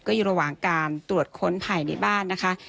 ก็อยู่ระหว่างการตรวจค้นภายในบ้านนะคะ